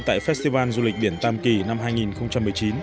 tại festival du lịch biển tam kỳ năm hai nghìn một mươi chín